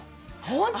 ホント！？